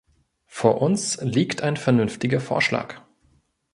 Vor uns liegt ein vernünftiger Vorschlag.